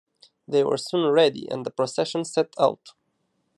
They were soon ready, and the procession set out.